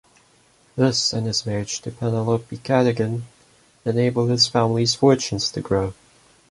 This, and his marriage to Penelope Cadogan, enabled his family's fortunes to grow.